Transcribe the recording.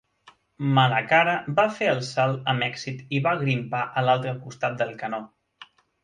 Malacara va fer el salt amb èxit i va grimpar a l'altre costat del canó.